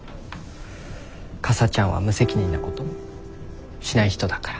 かさちゃんは無責任なことしない人だから。